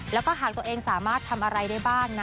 แล้วก็หากตัวเองสามารถทำอะไรได้บ้างนะ